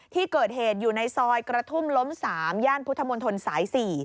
ที่เกิดเหตุอยู่ในซอยกระทุ่มล้ม๓ย่านพุทธมนตรสาย๔